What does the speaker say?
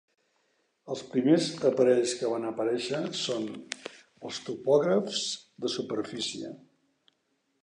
Els primers aparells que van aparèixer són els topògrafs de superfície.